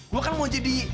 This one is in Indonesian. gue kan mau jadi